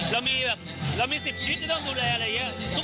เรามีแบบเรามีสิบชิ้นที่ต้องดูแลอะไรอย่างเงี้ย